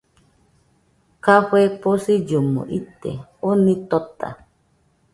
Café posillomo ite , oni tota